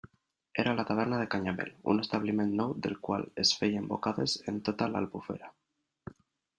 Era la taverna de Canyamel, un establiment nou del qual es feien bocades en tota l'Albufera.